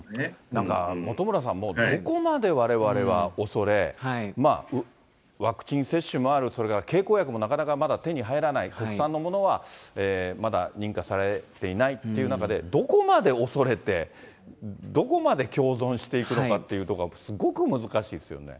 なんか本村さん、もうどこまでわれわれは恐れ、ワクチン接種もある、それから経口薬もまだ手に入らない、国産のものはまだ認可されていないという中で、どこまで恐れて、どこまで共存していくのかっていうところは、すごく難しいですよね。